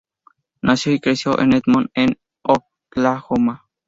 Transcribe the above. Nació y creció en Edmond en Oklahoma.